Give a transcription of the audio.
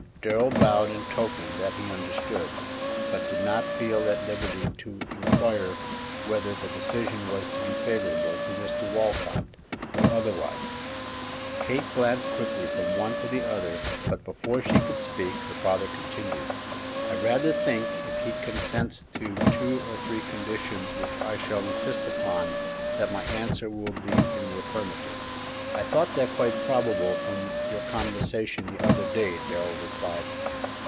Darrell bowed in token that he understood, but did not feel at liberty to inquire whether the decision was to be favorable to Mr. Walcott, or otherwise. Kate glanced quickly from one to the other, but before she could speak her father continued: "I rather think if he consents to two or three conditions which I shall insist upon, that my answer will be in the affirmative." "I thought that quite probable from your conversation the other day," Darrell replied.